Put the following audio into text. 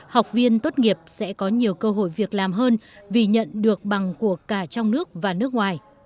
học viên tốt nghiệp sẽ có nhiều cơ hội việc làm hơn vì nhận được bằng của cả trong nước và nước ngoài